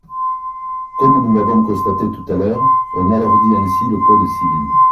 Comme nous l’avons constaté tout à l’heure, on alourdit ainsi le code civil.